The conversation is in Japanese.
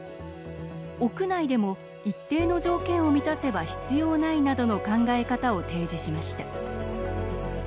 屋内でも、一定の条件を満たせば必要ないなどの考え方を提示しました。